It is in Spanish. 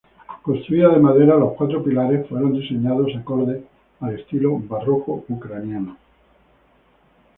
Construida de madera, los cuatro pilares fueron diseñados acorde el estilo barroco ucraniano.